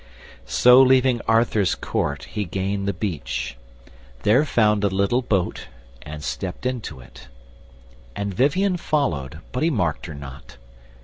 So leaving Arthur's court he gained the beach; There found a little boat, and stept into it; And Vivien followed, but he marked her not.